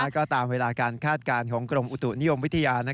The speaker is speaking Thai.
ก็ตามเวลาการคาดการณ์ของกรมอุตุนิยมวิทยา